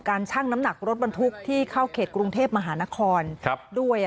ชั่งน้ำหนักรถบรรทุกที่เข้าเขตกรุงเทพมหานครด้วย